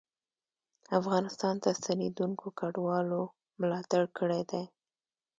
افغانستان ته ستنېدونکو کډوالو ملاتړ کړی دی